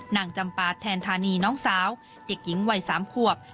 จำปาแทนธานีน้องสาวเด็กหญิงวัย๓ขวบ